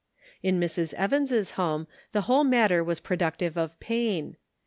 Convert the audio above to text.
In Mrs. Evans' home the whole matter was productive of pain.